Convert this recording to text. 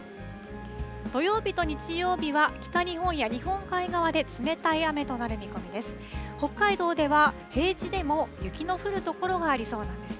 土曜日と日曜日は北日本や日本海側で冷たい雨となる見込みです。